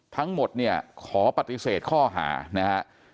ทั้งหมดเนี่ยขอปฏิเสธข้อหานะฮะ